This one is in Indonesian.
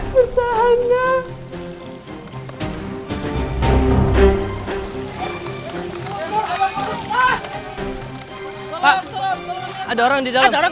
bukan si bang expedit gw